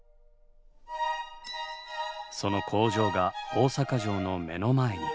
その工場が大阪城の目の前に。